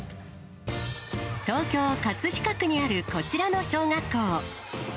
東京・葛飾区にあるこちらの小学校。